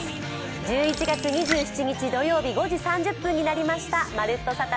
１１月２７日土曜日５時３０分になりました。